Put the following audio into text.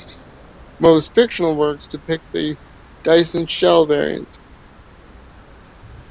Most fictional works depict the "Dyson shell" variant.